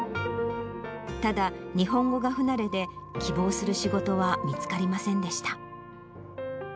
ただ日本語が不慣れで、希望する仕事は見つかりませんでした。